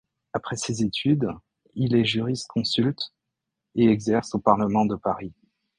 Après ses études, il est jurisconsulte et exerce au Parlement de Paris.